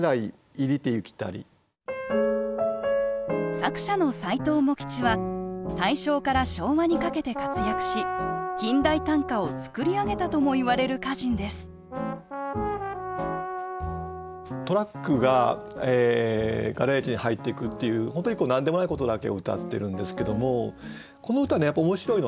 作者の斎藤茂吉は大正から昭和にかけて活躍し近代短歌を作り上げたともいわれる歌人ですトラックがガレージに入っていくっていう本当に何でもないことだけを歌ってるんですけどもこの歌ねやっぱり面白いのはね